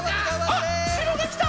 あっしろがきた！